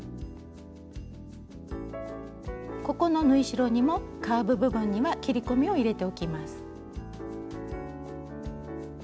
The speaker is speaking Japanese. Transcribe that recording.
ここの縫い代にもカーブ部分には切り込みを入れておきます。